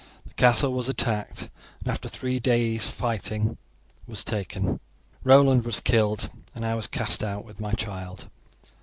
The castle was attacked, and after three days' fighting, was taken. Roland was killed, and I was cast out with my child.